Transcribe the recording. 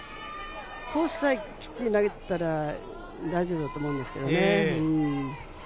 コースさえしっかり投げていたら大丈夫だと思うんですけどね。